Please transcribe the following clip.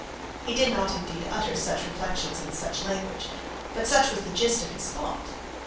He did not indeed utter such reflections in such language, but such was the gist of his thoughts.